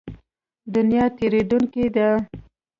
دنیا تېرېدونکې ده.